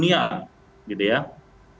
oh bisa perawatan kesehatannya ke seluruh negara